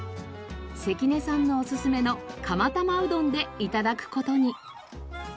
関根さんのおすすめの釜玉うどんで頂く事に。